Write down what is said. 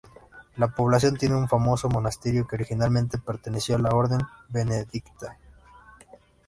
La población tiene un famoso monasterio, que originalmente perteneció a la orden benedictina.